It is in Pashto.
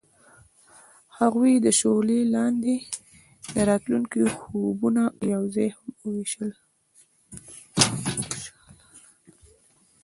هغوی د شعله لاندې د راتلونکي خوبونه یوځای هم وویشل.